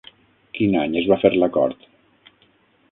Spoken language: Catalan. Quin any es va fer l'acord?